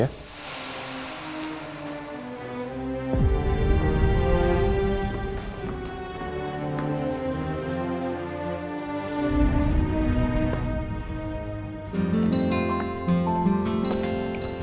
atau berada di luar servis